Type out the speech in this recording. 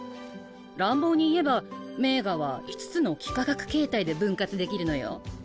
乱暴に言えば名画は５つの幾何学形態で分割できるのよ。